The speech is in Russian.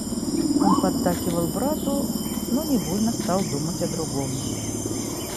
Он поддакивал брату, но невольно стал думать о другом.